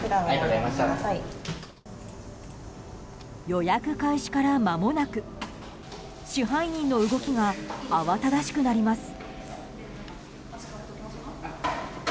予約開始からまもなく支配人の動きが慌ただしくなります。